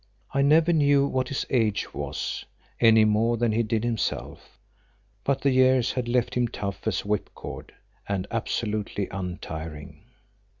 I never knew what his age was, any more than he did himself, but the years had left him tough as whipcord and absolutely untiring.